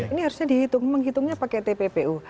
ini harusnya dihitung memang hitungnya pakai tppu